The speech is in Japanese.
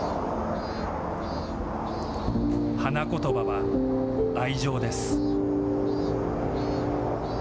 花言葉は愛情です。